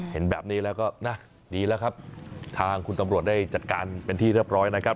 เห็นแบบนี้แล้วก็นะดีแล้วครับทางคุณตำรวจได้จัดการเป็นที่เรียบร้อยนะครับ